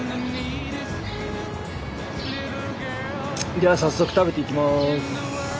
じゃあ早速食べていきます。